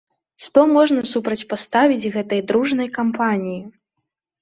Што можна супрацьпаставіць гэтай дружнай кампаніі?